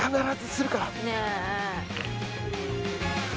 ねえ。